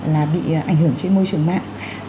là bị ảnh hưởng trên môi trường mạng